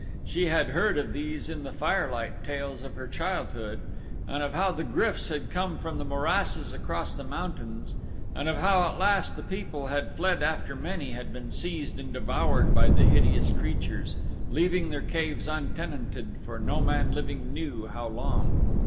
She had heard of these in the firelight tales of her childhood and of how the gryfs had come from the morasses across the mountains and of how at last the people had fled after many had been seized and devoured by the hideous creatures, leaving their caves untenanted for no man living knew how long.